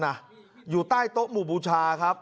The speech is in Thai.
พระอยู่ที่ตะบนมไพรครับ